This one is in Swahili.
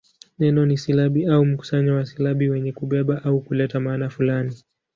Neno ni silabi au mkusanyo wa silabi wenye kubeba au kuleta maana fulani.